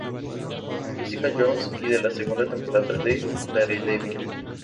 Jessica Jones y de la segunda temporada de Daredevil.